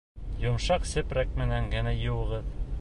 Йомшаҡ сепрәк менән генә йыуығыҙ.